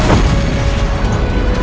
dan menangkan mereka